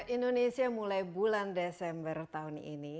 indonesia mulai bulan desember tahun ini